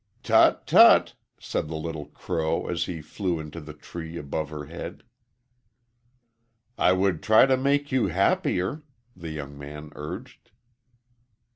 "Tut, tut!" said the little crow as he flew into the tree above her head. "I would try to make you happier," the young man urged.